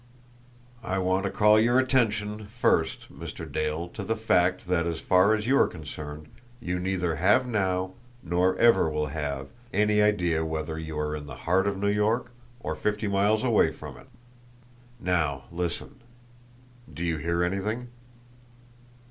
"I want to call your attention first, Mr. Dale, to the fact that as far as you are concerned you neither have now, nor ever will have, any idea whether you are in the heart of New York or fifty miles away from it. Now, listen! Do you hear anything?"